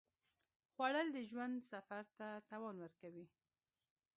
خوړل د ژوند سفر ته توان ورکوي